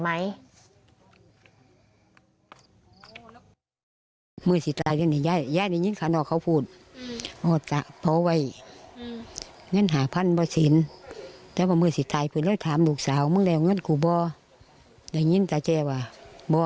มันเป็นลูกเจ้าของมาตุ๊บมาพังเงินมาหิน